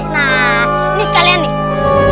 nah ini sekalian nih